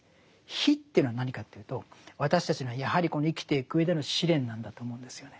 「火」というのは何かというと私たちのやはりこの生きていく上での試練なんだと思うんですよね。